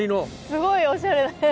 すごいおしゃれな。